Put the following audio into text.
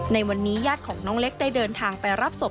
ในวันนี้ญาติของน้องเล็กได้เดินทางไปรับศพ